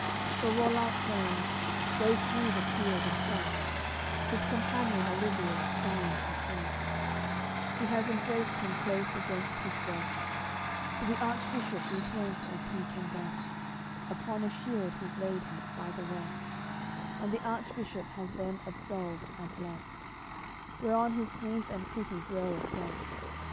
CLXIII So Rollant turns, goes through the field in quest; His companion Olivier finds at length; He has embraced him close against his breast, To the Archbishop returns as he can best; Upon a shield he's laid him, by the rest; And the Archbishop has them absolved and blest: Whereon his grief and pity grow afresh.